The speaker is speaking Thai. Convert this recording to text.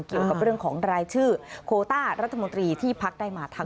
เกี่ยวกับเรื่องของรายชื่อโคต้ารัฐมนตรีที่พักได้มาทั้ง